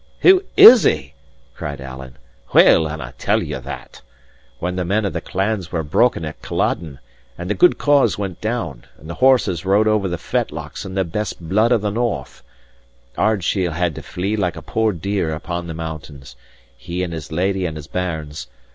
"Who is he?" cried Alan. "Well, and I'll tell you that. When the men of the clans were broken at Culloden, and the good cause went down, and the horses rode over the fetlocks in the best blood of the north, Ardshiel had to flee like a poor deer upon the mountains he and his lady and his bairns.